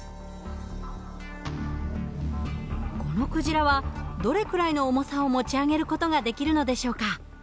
このクジラはどれくらいの重さを持ち上げる事ができるのでしょうか？